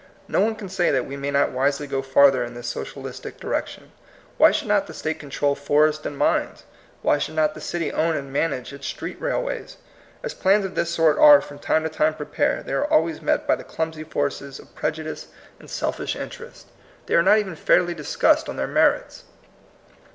No one can say that we may not wisely go farther in this socialistic direc tion. Why should not the state control forests and mines? Why should not the city own and manage its street railways? As plans of this sort are from time to time prepared, they are alwa}ns met by the clumsy forces of prejudice and selfish in THE MOTTO OF VICTORY. 185 terest. They are not even fairly discussed on their merits.